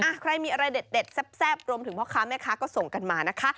ใครมีอะไรเด็ดแซ่บรวมถึงพ่อค้าแม่ค้าก็ส่งกันมานะคะ